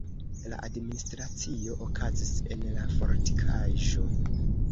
La administracio okazis en la fortikaĵo.